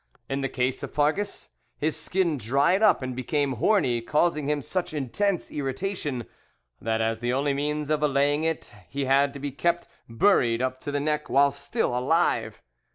In the case of Farges, his skin dried up and became horny, causing him such intense irritation, that as the only means of allaying it he had to be kept buried up to the neck while still alive.